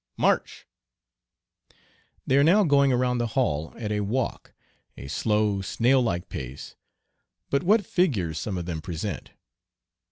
March!" They are now going around the hall at a walk, a slow, snail like pace, but what figures some of them present!